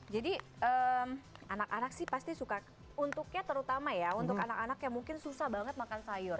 jadi anak anak sih pasti suka untuknya terutama ya untuk anak anak yang mungkin susah banget makan sayur